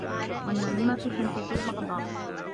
وَالنَّمِيمَةُ تُنْتِجُ الْبَغْضَاءَ